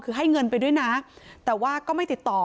คือให้เงินไปด้วยนะแต่ว่าก็ไม่ติดต่อ